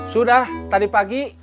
sudah tadi pagi